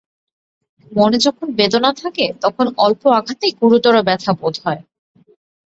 মনে যখন বেদনা থাকে তখন অল্প আঘাতেই গুরুতর ব্যথা বোধ হয়।